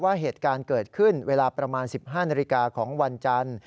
เหตุการณ์เกิดขึ้นเวลาประมาณ๑๕นาฬิกาของวันจันทร์